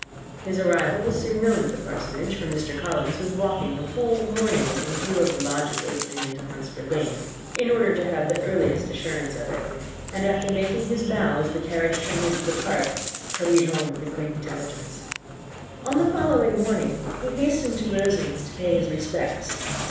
His arrival was soon known at the Parsonage; for Mr. Collins was walking the whole morning within view of the lodges opening into Hunsford Lane, in order to have [Illustration: "The gentlemen accompanied him." [Copyright 1894 by George Allen.]] the earliest assurance of it; and, after making his bow as the carriage turned into the park, hurried home with the great intelligence. On the following morning he hastened to Rosings to pay his respects.